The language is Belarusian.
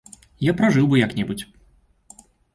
Я пражыў бы як-небудзь.